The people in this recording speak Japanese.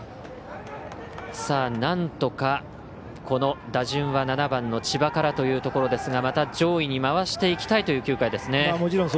なんとか、この打順は７番の千葉からというところですがまた上位に回していきたいという９回ですね。